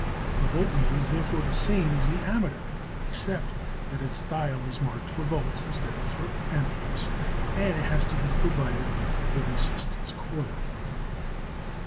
The voltmeter is therefore the same as the ammeter, except that its dial is marked for volts instead of for amperes, and it has to be provided with the resistance coil.